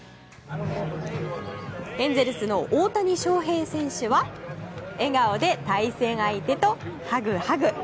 エンゼルスの大谷翔平選手は笑顔で対戦相手とハグハグ。